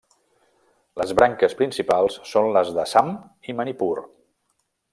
Les branques principals són les d'Assam i Manipur.